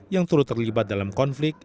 yang turut terlibat dalam konflik